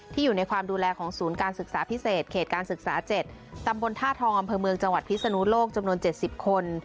อยู่ในความดูแลของศูนย์การศึกษาพิเศษเขตการศึกษา๗ตำบลท่าทองอำเภอเมืองจังหวัดพิศนุโลกจำนวน๗๐คน